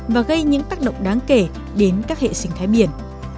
và gây những tác động đáng kể đến các hệ sinh thái biển